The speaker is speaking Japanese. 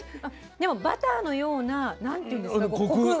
でもバターのような何ていうんですかコク。